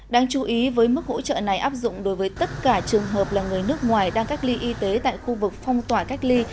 đáng chú ý với mức hỗ trợ này áp dụng đối với tất cả trường hợp là người nước ngoài đang cách ly y tế tại khu vực phong tỏa cách ly